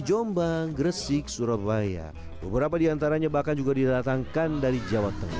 jombang gresik surabaya beberapa diantaranya bahkan juga didatangkan dari jawa tengah